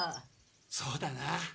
・そうだな。